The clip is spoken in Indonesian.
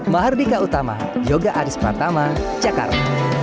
mahardika utama yoga aris pertama jakarta